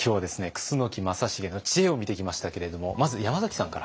楠木正成の知恵を見てきましたけれどもまず山崎さんから。